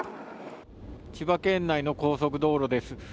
千葉県内の高速道路です。